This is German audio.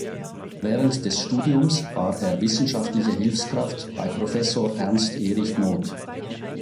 Während des Studiums war er wissenschaftliche Hilfskraft bei Professor Ernst Erich Noth.